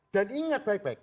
dan ingat baik baik